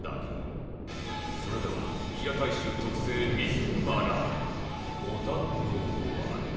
それでは平太周特製水うまラーメンご堪能あれ